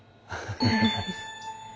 フフフフ。